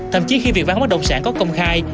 thậm chí khi việc bán bất động sản có công khai